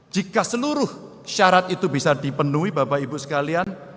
jika seluruh syarat itu bisa dipenuhi bapak ibu sekalian